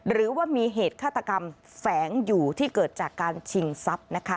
หรือว่ามีเหตุฆาตกรรมแฝงอยู่ที่เกิดจากการชิงทรัพย์นะคะ